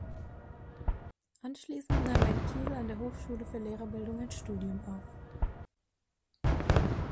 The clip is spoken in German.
Anschließend nahm er in Kiel an der Hochschule für Lehrerbildung ein Studium auf.